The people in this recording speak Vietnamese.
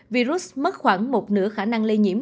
virus mất khoảng một nửa khả năng lây nhiễm